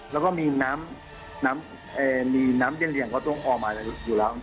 แล้วก็มีน้ำเยี่ยมก็ต้องออกมาอยู่แล้ว